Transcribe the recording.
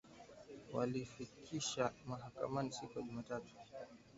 walifikishwa mahakamani siku ya Jumatatu